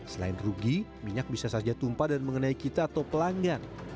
selain rugi minyak bisa saja tumpah dan mengenai kita atau pelanggan